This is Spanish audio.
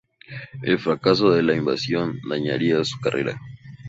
El fracaso de la invasión dañaría su carrera.